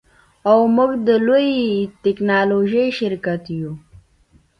او موږ د لوړې ټیکنالوژۍ شرکت یو